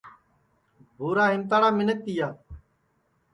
بُھورا ہیمتاڑا منکھ تیا